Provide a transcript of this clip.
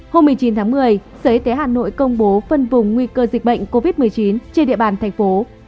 hôm một mươi chín tháng một mươi sở y tế hà nội công bố phân vùng nguy cơ dịch bệnh covid một mươi chín trên địa bàn thành phố